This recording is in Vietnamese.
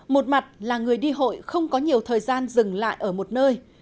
một mặt là người đi hội không có nhiều thời gian dừng lại ở một nơi